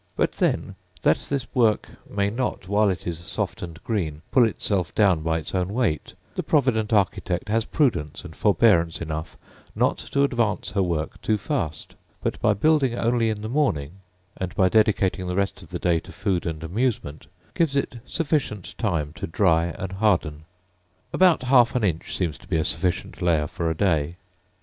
But then, that this work may not, while it is soft and green, pull itself down by its own weight, the provident architect has prudence and forbearance enough not to advance her work too fast; but by building only in the morning, and by dedicating the rest of the day to food and amusement, gives it sufficient time to dry and harden. About half an inch seems to be a sufficient layer for a day.